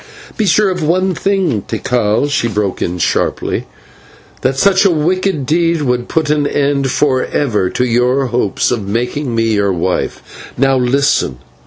"Be sure of one thing, Tikal," she broke in sharply, "that such a wicked deed would put an end for ever to your hopes of making me your wife. Now, listen.